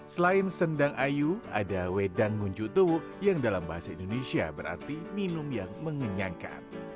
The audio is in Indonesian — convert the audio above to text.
selain sendang ayu ada wedang ngunjutu yang dalam bahasa indonesia berarti minum yang mengenyangkan